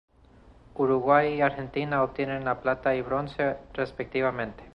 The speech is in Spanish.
Uruguay y Argentina obtienen la plata y bronce respectivamente.